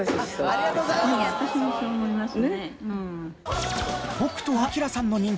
ありがとうございます！